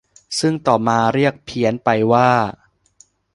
ซึ่งต่อมาเรียกเพี้ยนไปว่า